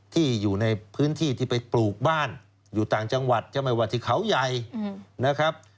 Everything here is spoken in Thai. ที่อยู่ในพื้นที่ที่ไปปลูกบ้านอยู่ต่างจังหวัดจะไม่ว่าที่เขาใหญ่นะครับ